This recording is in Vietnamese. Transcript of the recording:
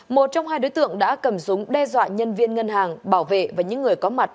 một trong hai đối tượng đã cầm súng đe dọa nhân viên ngân hàng bảo vệ và những người có mặt